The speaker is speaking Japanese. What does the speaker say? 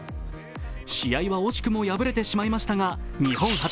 試合は惜しくも敗れてしまいましたが日本初！